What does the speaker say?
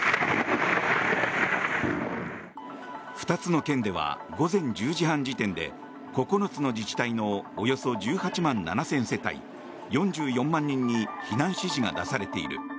２つの県では午前１０時半時点で９つの自治体のおよそ１８万７０００世帯４４万人に避難指示が出されている。